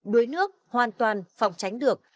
đuối nước hoàn toàn phòng tránh được